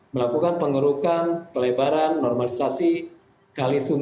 melakukan pengurukan pelebaran normalisasi dan lain lain